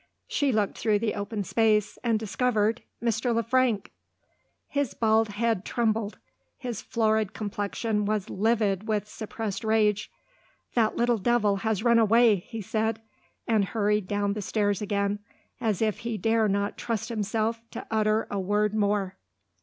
She looked through the open space, and discovered Mr. Le Frank. His bald head trembled, his florid complexion was livid with suppressed rage. "That little devil has run away!" he said and hurried down the stairs again, as if he dare not trust himself to utter a word more.